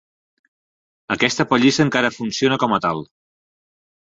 Aquesta pallissa encara funciona com a tal.